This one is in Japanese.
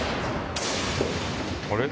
あれ？